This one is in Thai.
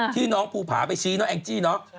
ที่น้องภูผาไปชี้เนอแองจี้เนอะ